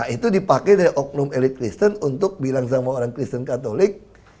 itu dipakai dari oknum elit kristen untuk bilang sama orang kristen katolik